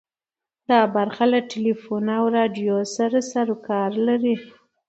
دا برخه له ټلیفون او راډیو سره سروکار لري.